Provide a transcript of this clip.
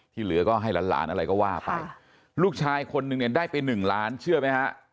ที่เหลือก็ให้ละล้านอะไรก็ว่าไปลูกชายคนนึงได้ไป๑ล้านเชื่อไหมฮะ